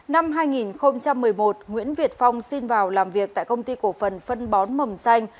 năm hai nghìn một mươi một nguyễn việt phong xin vào làm việc tại công ty cổ phần phân bón mầm xanh